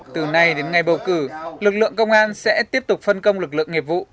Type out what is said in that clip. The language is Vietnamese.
từ nay đến ngày bầu cử lực lượng công an sẽ tiếp tục phân công lực lượng nghiệp vụ